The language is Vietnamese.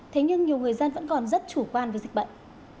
thế nhưng nhiều người dân vẫn còn rất chủ quan với dịch bệnh